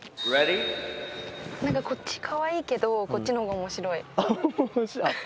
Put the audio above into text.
何かこっちカワイイけどこっちの方が面白い。